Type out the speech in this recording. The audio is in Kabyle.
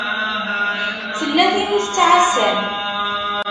Tella tin i tettɛasam?